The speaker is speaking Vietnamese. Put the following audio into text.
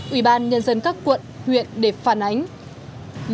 ủy ban nhân dân các quận huyện để phản ánh